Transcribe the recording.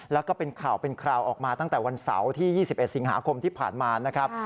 แล้วก็เป็นข่าวเป็นคราวออกมาตั้งแต่วันเสาร์ที่๒๑สิงหาคมที่ผ่านมานะครับ